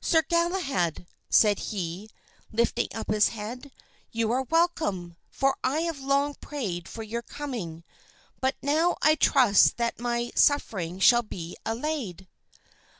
"Sir Galahad," said he, lifting up his head, "you are welcome, for I have long prayed for your coming, but now I trust that my suffering shall be allayed."